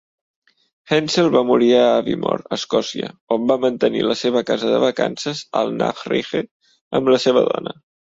Henschel va morir a Aviemore, Escòcia, on va mantenir la seva casa de vacances "Alltnacriche" amb la seva dona.